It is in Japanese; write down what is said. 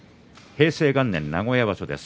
平成元年名古屋場所です。